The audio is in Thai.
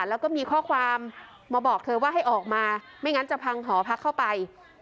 แล้วก็มีข้อความมาบอกเธอว่าให้ออกมาไม่งั้นจะพังหอพักเข้าไป